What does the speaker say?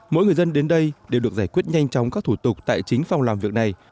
mỗi người dân đến đây đều được giải quyết nhanh chóng các thủ tục tại chính phòng làm việc này